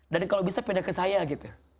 dan kalau bisa pindah ke saya gitu